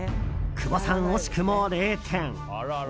久保さん、惜しくも０点。